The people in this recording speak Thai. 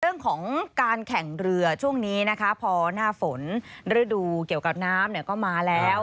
เรื่องของการแข่งเรือช่วงนี้นะคะพอหน้าฝนฤดูเกี่ยวกับน้ำเนี่ยก็มาแล้ว